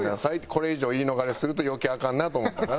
これ以上言い逃れすると余計アカンなと思ったから。